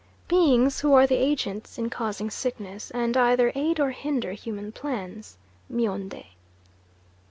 Beings who are the agents in causing sickness, and either aid or hinder human plans Mionde.